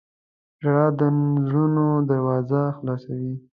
• ژړا د زړونو دروازه خلاصوي.